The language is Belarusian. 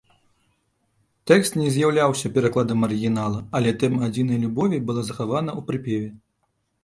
Тэкст не з'яўляўся перакладам арыгінала, але тэма адзінай любові была захавана ў прыпеве.